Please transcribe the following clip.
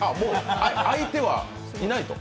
相手は、もういないと？